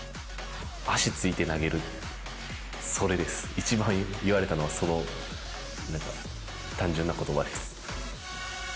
一番言われたのはその単純な言葉です。